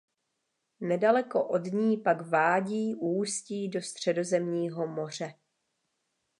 Nedaleko od ní pak vádí ústí do Středozemního moře.